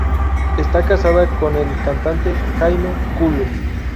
Está casada con el cantante Jamie Cullum.